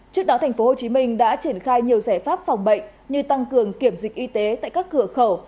trước đó thành phố hồ chí minh đã triển khai nhiều giải pháp phòng bệnh như tăng cường kiểm dịch y tế tại các cửa khẩu